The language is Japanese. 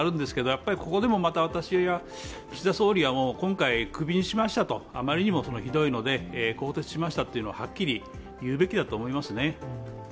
やっぱりここでもまた私は、岸田総理は今回クビにしましたと、あまりにもひどいので更迭しましたというのをはっきり言うべきだと思いますね。